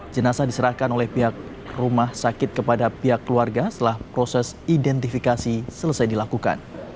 jenasa diserahkan oleh pihak rumah sakit kepada pihak keluarga setelah proses identifikasi selesai dilakukan